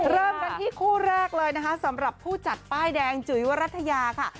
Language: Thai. เริ่มกันที่คู่แรกเลยนะคะสำหรับผู้จัดป้ายแดงจุ๋ยวรัฐยาค่ะ